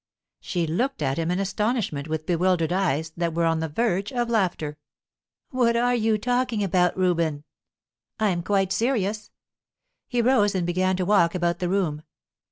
She looked at him in astonishment, with bewildered eyes, that were on the verge of laughter. "What are you talking about, Reuben?" "I'm quite serious." He rose and began to walk about the room.